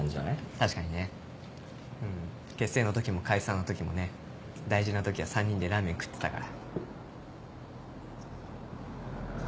確かにね。結成の時も解散の時もね大事な時は３人でラーメン食ってたから。